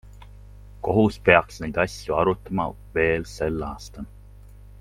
Kohus peaks neid asju arutama veel sel aastal.